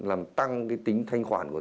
làm tăng cái tính thanh khoản của nó